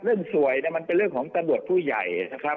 เรื่องสวยเนี่ยมันเป็นเรื่องของตำรวจผู้ใหญ่นะครับ